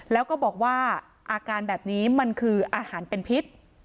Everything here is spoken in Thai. แล้วก็บอกว่าอาการแบบนี้มันคืออาหารเป็นพิษ